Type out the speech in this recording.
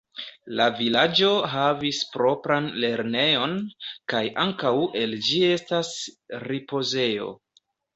La vilaĝo havis propran lernejon, kaj ankaŭ el ĝi estas ripozejo.